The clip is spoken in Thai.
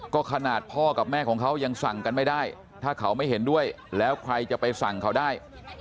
ก็ขนาดพ่อกับแม่ของเขายังสั่งกันไม่ได้ถ้าเขาไม่เห็นด้วยแล้วใครจะไปสั่งเขาได้